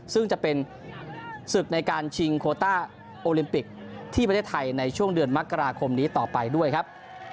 ซึ่งจะเป็นศึกในการชิงโคต้าโอลิมปิกที่ประเทศไทยในช่วงเดือนมกราคมนี้ต่อไปด้วยครับ